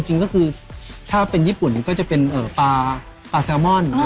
จริงก็คือถ้าเป็นญี่ปุ่นก็จะเป็นปลาแซลมอน